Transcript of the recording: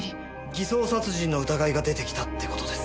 偽装殺人の疑いが出てきたって事です。